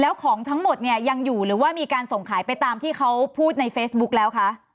แล้วของทั้งหมดเนี่ยยังอยู่หรือว่ามีการส่งขายไปตามที่เขาพูดในเฟซบุ๊คแล้วคะ